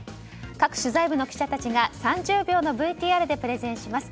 各取材部の記者たちが３０秒のＶＴＲでプレゼンします。